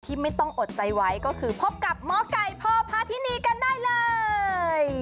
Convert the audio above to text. ไม่ต้องอดใจไว้ก็คือพบกับหมอไก่พ่อพาทินีกันได้เลย